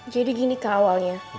jadi gini kak awalnya